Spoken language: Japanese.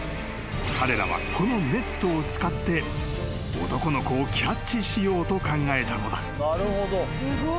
彼らはこのネットを使って男の子をキャッチしようと考えたのだ］